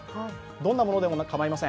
どんなものでも構いません。